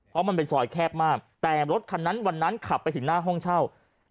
เพราะมันเป็นซอยแคบมากแต่รถคันนั้นวันนั้นขับไปถึงหน้าห้องเช่า